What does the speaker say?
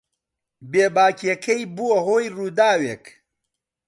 بێباکییەکەی بووە هۆی ڕووداوێک.